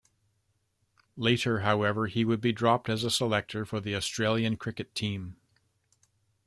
Later, however, he would be dropped as a selector for the Australian Cricket Team.